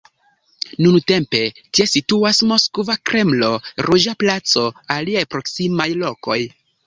Nuntempe tie situas Moskva Kremlo, Ruĝa placo, aliaj proksimaj lokoj.